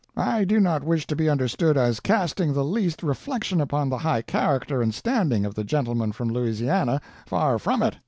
I do not wish to be understood as casting the least reflection upon the high character and standing of the gentleman from Louisiana far from it.